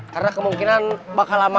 karena kemungkinan bakal lama